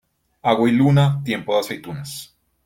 Agua y luna, tiempo de aceitunas.